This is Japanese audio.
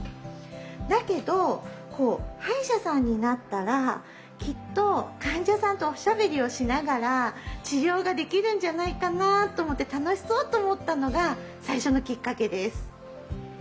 だけどこう歯医者さんになったらきっと患者さんとおしゃべりをしながら治療ができるんじゃないかなと思って楽しそうって思ったのが最初のきっかけです。